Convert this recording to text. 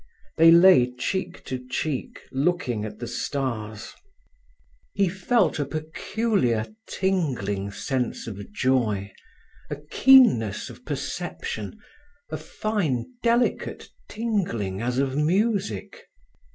They lay cheek to cheek, looking at the stars. He felt a peculiar tingling sense of joy, a keenness of perception, a fine, delicate tingling as of music.